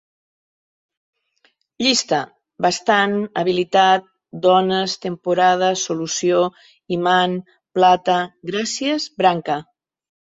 Llista: bastant, habilitat, dones, temporada, solució, imant, plata, gràcies, branca